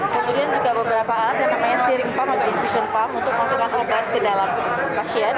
kemudian juga beberapa alat yang namanya sharing pump atau infusion pump untuk memasukkan obat ke dalam pasien